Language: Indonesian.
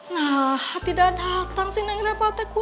nah tidak dateng sih yang ngerepate ku